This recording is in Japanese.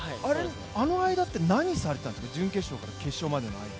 あの間って何されてたんですか準決勝から決勝の間。